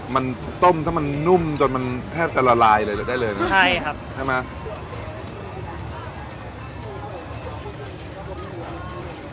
มันต้มถ้ามันนุ่มจนมันแทบจะละลายเลยได้เลยนะใช่ครับใช่ไหม